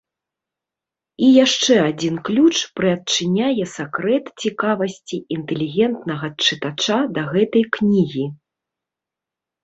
І яшчэ адзін ключ прыадчыняе сакрэт цікавасці інтэлігентнага чытача да гэтай кнігі.